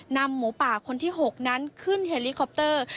หมูป่าคนที่๖นั้นขึ้นเฮลิคอปเตอร์